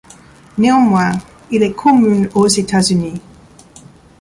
Néanmoins, il est commun aux États-Unis.